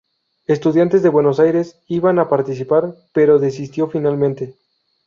Estudiantes de Buenos Aires iba a participar, pero desistió finalmente.